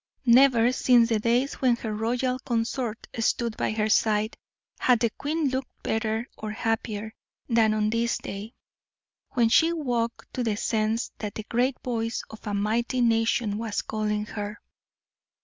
Never since the days when her royal consort stood by her side had the queen looked better or happier than on this day, when she woke to the sense that the great voice of a mighty nation was calling her.